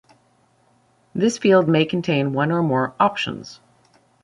This field may contain one or more "Options".